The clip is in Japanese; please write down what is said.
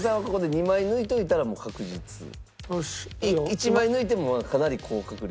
１枚抜いてもかなり高確率。